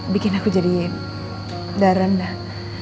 bikin aku jadi udah rendah